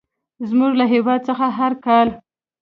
زموږ له هېواد څخه هر کال.